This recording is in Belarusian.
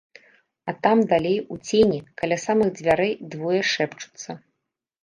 А там далей у цені каля самых дзвярэй двое шэпчуцца.